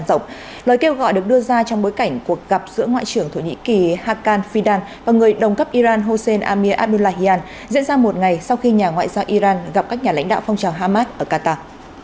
trong lời kêu gọi được đưa ra trong bối cảnh cuộc gặp giữa ngoại trưởng thổ nhĩ kỳ hakan fidan và người đồng cấp iran hossein amir abdullahian diễn ra một ngày sau khi nhà ngoại giao iran gặp các nhà lãnh đạo phong trào hamas ở qatar